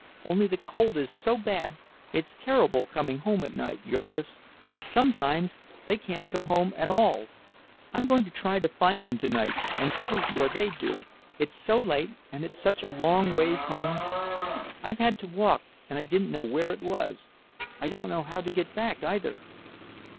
Only the cold is so bad—it's terrible coming home at night, Jurgis. Sometimes they can't come home at all—I'm going to try to find them tonight and sleep where they do, it's so late and it's such a long ways home. I've had to walk, and I didn't know where it was—I don't know how to get back, either.